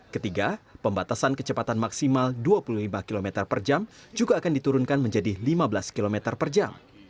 ketiga pembatasan kecepatan maksimal dua puluh lima km per jam juga akan diturunkan menjadi lima belas km per jam